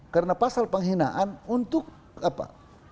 karena pasal penghinaan untuk apa